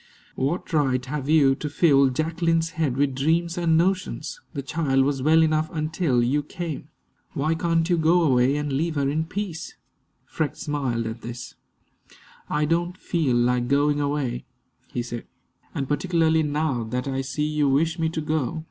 "What right have you to fill Jacqueline's head with dreams and notions? The child was well enough until you came. Why can't you go away and leave her in peace?" Freke smiled at this. "I don't feel like going away," he said, "and particularly now that I see you wish me to go.